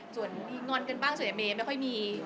ส่วนมีงอนกันบ้างส่วนใหญ่เมย์ไม่ค่อยมี